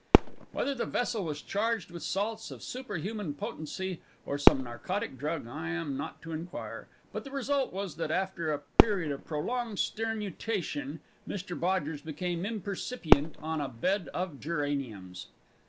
Whether the vessel was charged with salts of superhuman potency, or some narcotic drug, I am not to inquire but the result was that, after a period of prolonged sternutation, Mr Bodgers became impercipient on a bed of geraniums.